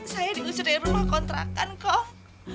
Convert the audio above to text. saya diusir dari rumah kontrakan kok